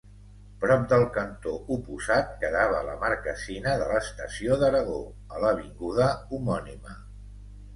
Prop del cantó oposat quedava la marquesina de l'Estació d'Aragó, a l'avinguda homònima.